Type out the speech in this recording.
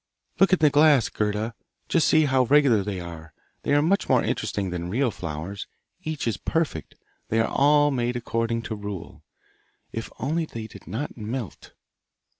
'Look in the glass, Gerda! Just see how regular they are! They are much more interesting than real flowers. Each is perfect; they are all made according to rule. If only they did not melt!